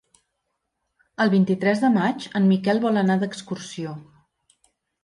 El vint-i-tres de maig en Miquel vol anar d'excursió.